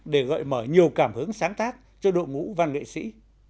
để gợi mở nhiều cảm hứng sáng tác cho đội ngũ văn nghệ sĩ